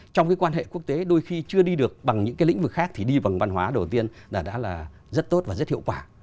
trong cái quan hệ quốc tế đôi khi chưa đi được bằng những cái lĩnh vực khác thì đi bằng văn hóa đầu tiên là đã là rất tốt và rất hiệu quả